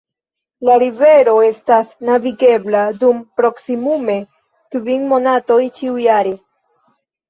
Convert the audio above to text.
La rivero estas navigebla dum proksimume kvin monatoj ĉiujare.